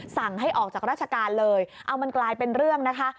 สั่งให้ออกจากราชการเลยเอามันกลายเป็นเรื่องนะคะ